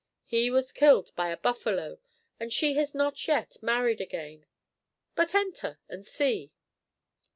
He was killed by a buffalo, and she has not yet married again. But enter and see."